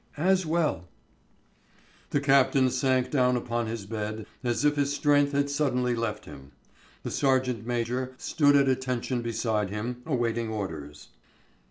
"As well." The captain sank down upon the bed as if his strength had suddenly left him. The sergeant major stood at attention beside him, awaiting orders.